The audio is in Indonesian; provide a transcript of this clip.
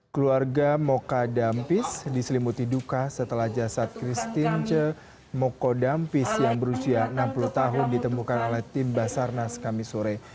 keluarga moka dampis diselimuti duka setelah jasad christine ce moko dampis yang berusia enam puluh tahun ditemukan oleh tim basarnas kami sore